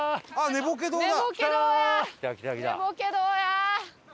ねぼけ堂や！